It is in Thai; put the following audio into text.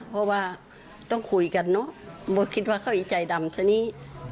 คิดว่าต้องคุยกันเนอะไม่คิดว่าเขาไอ้ใจดำซะนี้